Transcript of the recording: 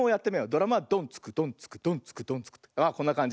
ドラムはドンツクドンツクドンツクドンツクってあこんなかんじ。